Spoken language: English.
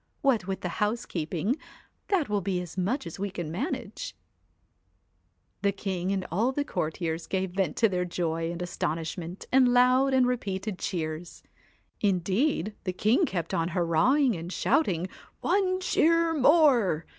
What with the housekeeping that will be as much as we can manage.' The king and all the courtiers gave vent to their joy and astonishment in loud and repeated cheers. Indeed the king kept on hurrahing ! and shouting One cheer more